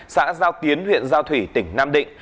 xã giao tiến huyện giao thủy tỉnh nam định